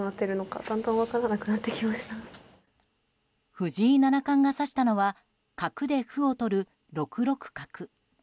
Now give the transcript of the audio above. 藤井七冠が指したのは角で歩をとる６六角。